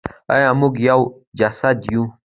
آیا موږ یو جسد یو؟